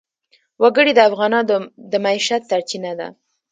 وګړي د افغانانو د معیشت سرچینه ده.